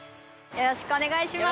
よろしくお願いします